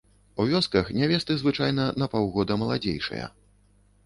У вёсках нявесты звычайна на паўгода маладзейшыя.